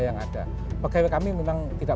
yang ada pegawai kami memang tidak